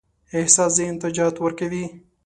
احساس ذهن ته جهت ورکوي.